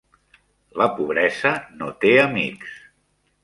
La pobresa no té amics.